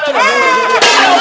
aduh aduh aduh